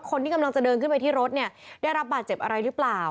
คนที่กำลังจะเดินขึ้นไปที่รถเนี่ยได้รับบาดเจ็บอะไรหรือเปล่า